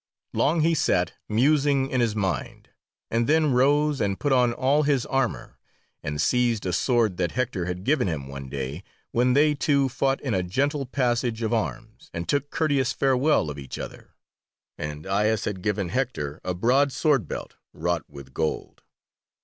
Long he sat, musing in his mind, and then rose and put on all his armour, and seized a sword that Hector had given him one day when they two fought in a gentle passage of arms, and took courteous farewell of each other, and Aias had given Hector a broad sword belt, wrought with gold.